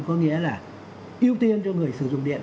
có nghĩa là ưu tiên cho người sử dụng điện